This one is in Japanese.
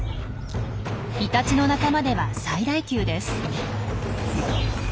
イタチの仲間では最大級です。